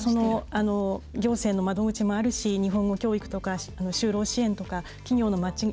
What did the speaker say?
行政の窓口もあるし日本語教育とか終了支援とか企業のマッチング